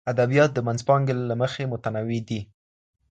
ادبیات د منځپانګې له مخې متنوع دي.